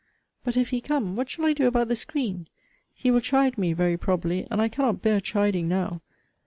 But if he come, what shall I do about the screen? He will chide me, very probably, and I cannot bear chiding now.